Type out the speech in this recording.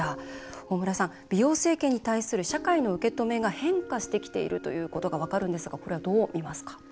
大村さん、美容整形に対する社会の受け止めが変化してきているということが分かるんですがこれはどう見ますか？